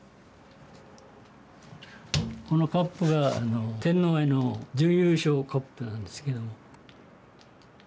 このカップが天皇杯の準優勝カップなんですけど。